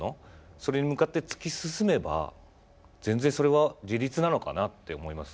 それに向かって突き進めば全然それは自立なのかなと思います。